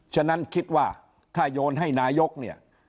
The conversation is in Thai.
ฉะนั้นคิดว่าถ้าโยนให้นายกเนี่ย